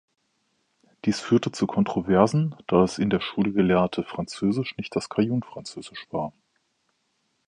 Dies führte zu Kontroversen, da das in der Schule gelehrte Französisch nicht das Cajun-Französisch war.